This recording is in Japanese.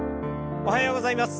おはようございます。